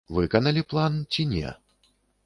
Выканалі план ці не.